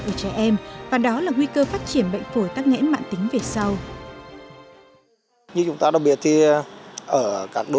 của trẻ em và đó là nguy cơ phát triển bệnh phổi tắc nghẽn mạng tính về sau